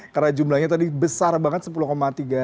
karena jumlahnya tadi besar banget